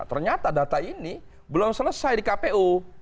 ternyata data ini belum selesai di kpu